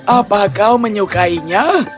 apa kau menyukainya